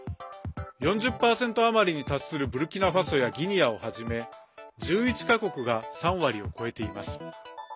４０％余りに達するブルキナファソやギニアをはじめ１１か国が３割を超えています。